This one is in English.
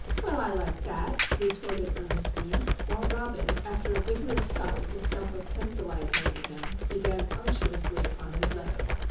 "Well, I like that!" retorted Ernestine; while Robin, after a vigorous suck at the stump of pencil I had handed him, began unctuously upon his letter.